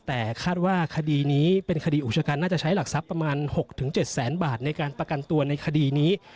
แต่คาดว่าคดีนี้เป็นคดีอุกชกันน่าจะใช้หลักทรัพย์ประมาณ๖๗แสนบาทในการประกันตัวในคดีนี้